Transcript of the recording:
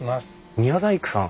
宮大工さん。